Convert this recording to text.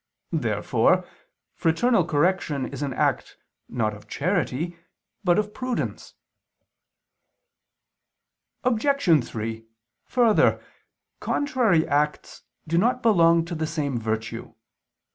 Therefore fraternal correction is an act, not of charity, but of prudence. Obj. 3: Further, contrary acts do not belong to the same virtue.